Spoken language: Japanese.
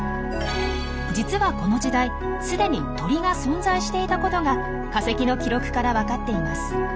実はこの時代既に鳥が存在していたことが化石の記録から分かっています。